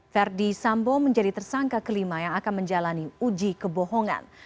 verdi sambo menjadi tersangka kelima yang akan menjalani uji kebohongan